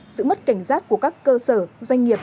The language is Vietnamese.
sự mất cảnh giác của các cơ sở doanh nghiệp